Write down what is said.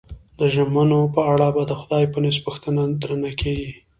د ژمنو په اړه به د خدای په نزد پوښتنه درنه کېږي.